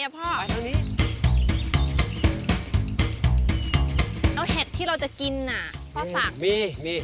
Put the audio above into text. เอาเห็ดที่เราจะกินน่ะพ่อศักดิ์มีมี